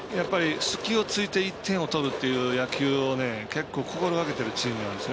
隙を突いて１点を取るという野球を心がけてるチームなんですね。